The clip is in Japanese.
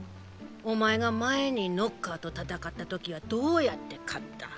お前が前にノッカーと戦った時はどうやって勝った？